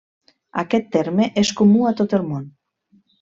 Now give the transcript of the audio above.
Aquest terme és comú a tot el món.